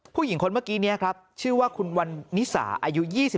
ผู้หญิงคนเมื่อกี้นี้ครับชื่อว่าคุณวันนิสาอายุ๒๓